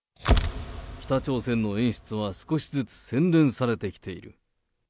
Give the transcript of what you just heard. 北朝鮮の演出は少しずつ洗練されてきている。